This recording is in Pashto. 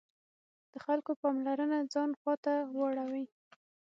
د خلکو پاملرنه ځان خواته واړوي.